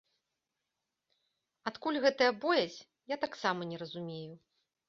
Адкуль гэтая боязь, я таксама не разумею.